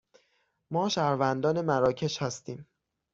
ما شهروندان مراکش هستیم.